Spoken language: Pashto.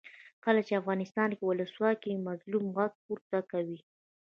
کله چې افغانستان کې ولسواکي وي مظلوم غږ پورته کوي.